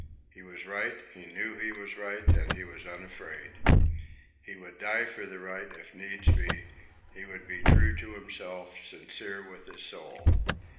He was right, he knew he was right, and he was unafraid. He would die for the right if needs be, he would be true to himself, sincere with his soul.